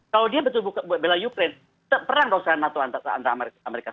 kalau dia betul betul bela ukraine perang dong saya nato antara amerika serikat